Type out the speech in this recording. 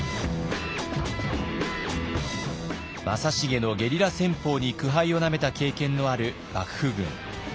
正成のゲリラ戦法に苦杯をなめた経験のある幕府軍。